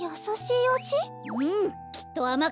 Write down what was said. うんきっとあま